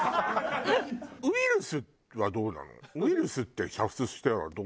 ウイルスはどうなの？